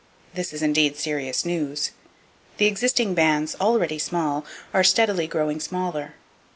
This is indeed serious news. The existing bands, already small, are steadily growing smaller.